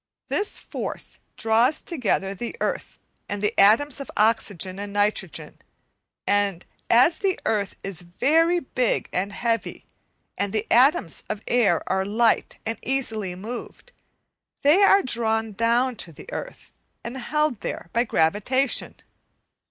This force draws together the earth and the atoms of oxygen and nitrogen; and as the earth is very big and heavy, and the atoms of air are light and easily moved, they are drawn down to the earth and held there by gravitation.